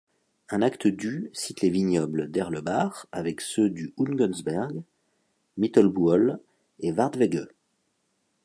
Un acte du cite les vignobles d'Erlebach avec ceux du Hungensberg, Mittelbuhel et Wardwege.